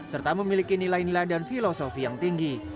serta memiliki nilai nilai dan filosofi yang tinggi